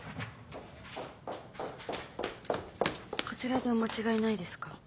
こちらでお間違いないですか？